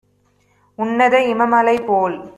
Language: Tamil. உன்னத இம மலைபோல்